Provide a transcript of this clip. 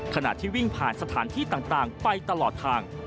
ขณะที่วิ่งผ่านสถานที่ต่างไปตลอดทาง